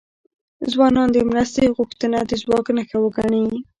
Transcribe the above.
ځوانان د مرستې غوښتنه د ځواک نښه وګڼي.